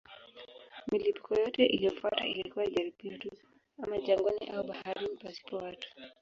Milipuko yote iliyofuata ilikuwa ya jaribio tu, ama jangwani au baharini pasipo watu.